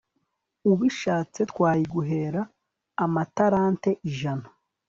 ubishatse, twayiguhera amatalenta ijana